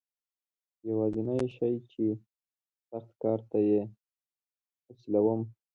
یوازنی شی چې سخت کار ته یې هڅولم.